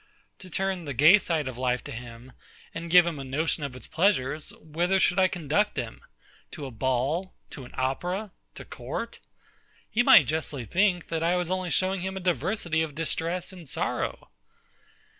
To turn the gay side of life to him, and give him a notion of its pleasures; whither should I conduct him? to a ball, to an opera, to court? He might justly think, that I was only showing him a diversity of distress and sorrow.